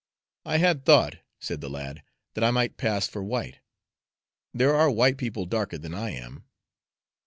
"I had thought," said the lad, "that I might pass for white. There are white people darker than I am."